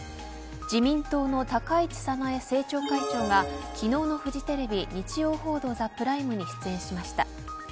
自民党の高市早苗政調会長が昨日のフジテレビ日曜報道ＴＨＥＰＲＩＭＥに出演しました。